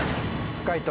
解答